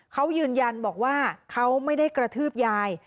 เขายืนยันบอกว่าเขาไม่ได้กระทืบยาย